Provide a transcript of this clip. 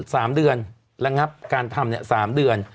สั่ง๓เดือนแล้วงับการทำเนี่ย๓เดือน